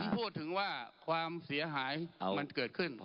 พูดถึงว่าความเสียหายมันเกิดขึ้น